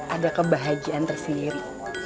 ada kebahagiaan tersendiri